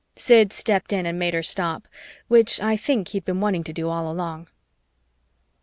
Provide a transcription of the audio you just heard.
Sid stepped in and made her stop, which I think he'd been wanting to do all along.